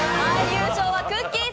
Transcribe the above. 優勝はくっきー！